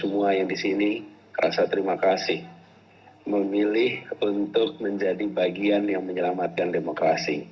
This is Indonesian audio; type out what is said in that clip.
semua yang di sini rasa terima kasih memilih untuk menjadi bagian yang menyelamatkan demokrasi